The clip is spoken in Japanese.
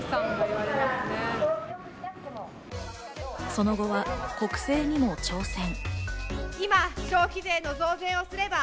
その後は国政にも挑戦。